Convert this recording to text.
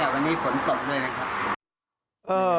วันนี้ฝนตกด้วยนะครับ